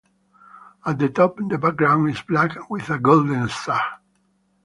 At the top, the background is black with a golden star.